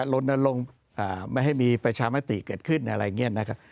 ลนลงไม่ให้มีประชามติเกิดขึ้นอะไรอย่างนี้นะครับ